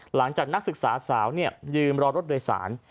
หลังจากนักศึกษาสาวเนี่ยยืมรอรถโดยสาร